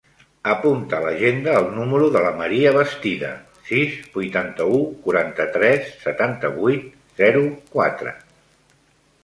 Apunta a l'agenda el número de la Maria Bastida: sis, vuitanta-u, quaranta-tres, setanta-vuit, zero, quatre.